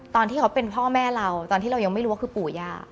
ตอนที่เขาเป็นพ่อแม่เราตอนที่เรายังไม่รู้ว่าคือปู่ย่า